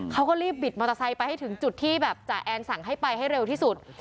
เขาก็รีบบิดมอเตอร์ไซค์ไปให้ถึงจุดที่แบบจ่าแอนสั่งให้ไปให้เร็วที่สุด